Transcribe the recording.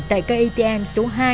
tại cây atm số hai